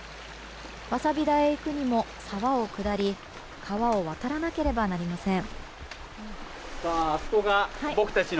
わさび田へ行くにも沢を渡り川を渡らなければいけません。